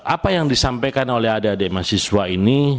apa yang disampaikan oleh adik adik mahasiswa ini